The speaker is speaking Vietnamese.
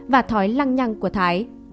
và thói lăng nhăng của thái